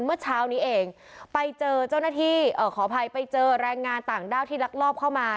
เมื่อเช้านี้เองไปเจอเจ้าหน้าที่เอ่อขออภัยไปเจอแรงงานต่างด้าวที่ลักลอบเข้ามา